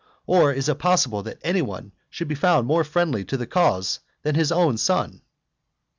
or, is it possible that any one should be found more friendly to the cause than his son?